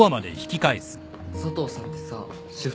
佐藤さんってさシフト